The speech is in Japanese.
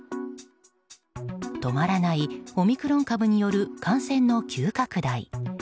止まらないオミクロン株による感染の急拡大。